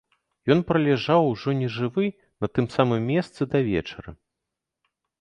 Ён пралежаў, ужо нежывы, на тым самым месцы да вечара.